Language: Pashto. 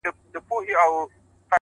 دې جوارۍ کي د بايللو کيسه ختمه نه ده!